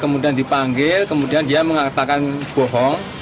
kemudian dipanggil kemudian dia mengatakan bohong